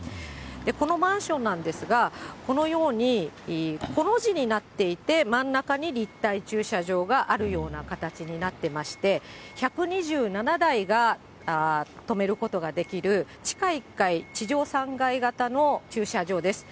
このマンションなんですが、このようにコの字になっていて、真ん中に立体駐車場があるような形になってまして、１２７台が止めることができる、地下１階地上３階型の駐車場です。